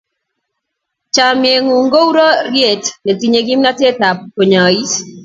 Chomye ng'ung' kou roryet netinye kimnotap konyois.